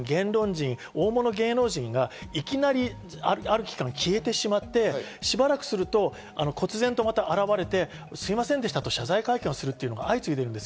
中国では財界人、言論人、大物芸能人がいきなりある期間消えてしまって、しばらくすると突然とまた現れてすみませんでしたと謝罪会見することが相次いでいます。